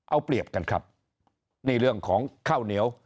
เอาเปรียบกันครับนี่เรื่องของข้าวเหนียว